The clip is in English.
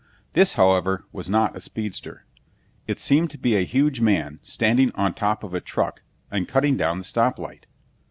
This, however, was not a speedster. It seemed to be a huge man standing on top of a truck and cutting down the stop light.